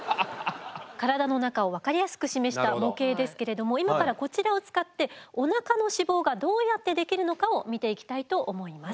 体の中を分かりやすく示した模型ですけれども今からこちらを使ってお腹の脂肪がどうやってできるのかを見ていきたいと思います。